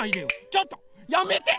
ちょっとやめて！